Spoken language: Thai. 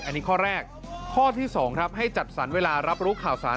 อันนี้ข้อแรกข้อที่๒ครับให้จัดสรรเวลารับรู้ข่าวสาร